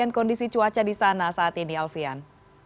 bagaimana kemudian kondisi cuaca di sana saat ini alfian